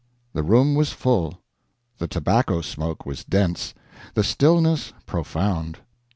The room was full. The tobacco smoke was dense, the stillness profound.